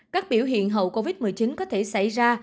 các biểu hiện hậu covid một mươi chín có thể xảy ra